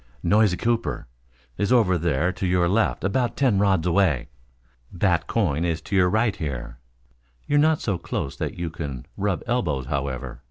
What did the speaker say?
"Noisy Cooper is over there to your left about ten rods away. Bat Coyne is to your right here. You're not so close that you can rub elbows, however.